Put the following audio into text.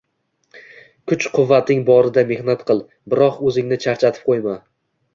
Kuch-quvvating borida mehnat qil, biroq o‘zingni charchatib qo‘yma.